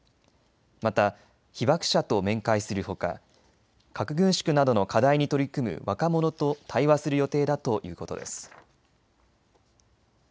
また被爆者と面会するほか核軍縮などの課題に取り組む若者と対話する予定だということです。